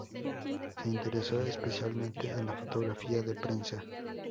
Se interesó especialmente en la fotografía de prensa.